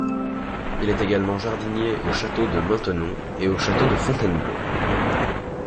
Il est également jardinier au château de Maintenon et au château de Fontainebleau.